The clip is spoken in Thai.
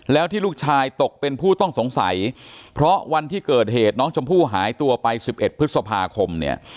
แล้วที่ลูกชายตกเป็นผู้ต้องสงสัยเพราะวันที่เกิดเหตุน้องชมพู่หายตัวไป๑๑พฤษภาคมเนี่ย